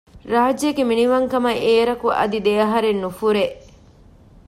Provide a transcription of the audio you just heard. ރާއްޖޭގެ މިނިވަންކަމަކަށް އޭރަކު އަދި ދެއަހަރެއް ނުފުރޭ